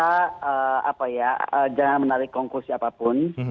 bisa apa ya jangan menarik konkursi apapun